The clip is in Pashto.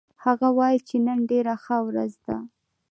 هغه وایي چې نن ډېره ښه ورځ ده